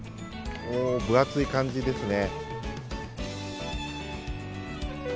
分厚い感じですね。